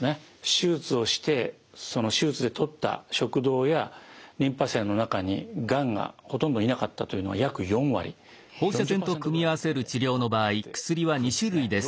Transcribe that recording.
手術をしてその手術で取った食道やリンパ節の中にがんがほとんどいなかったというのは約４割４０％ぐらいの方で効果が出てくるんですね。